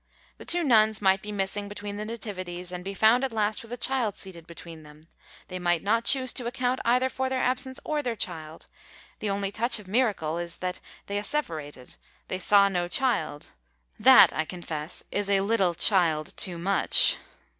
The two nuns might be missing between the Nativities, and be found at last with a child seated between them. They might not choose to account either for their absence or their child the only touch of miracle is that, they asseverated, they saw no child that I confess is a little (child) too much.